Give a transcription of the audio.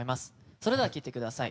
それでは聴いてください。